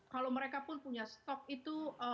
kalau mereka pun punya stok itu